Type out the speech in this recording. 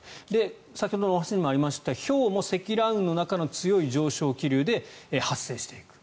先ほどのお話にもありましたひょうも積乱雲の中の強い上昇気流で発生していると。